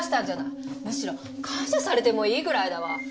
むしろ感謝されてもいいぐらいだわ。